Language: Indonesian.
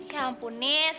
ya ampun nis